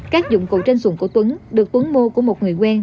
các dụng cụ trên dùng của tuấn được tuấn mua của một người quen